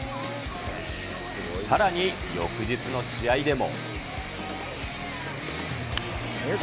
さらに、翌日の試合でも。